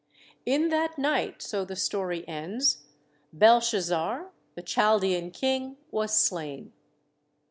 'In that night," so the story ends, "Belshazzar, the Chal dean King, was slain."